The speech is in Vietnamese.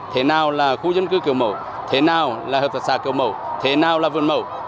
thế nào là khu dân cư kiểu mẫu thế nào là hợp tác xã kiểu mẫu thế nào là vườn mẫu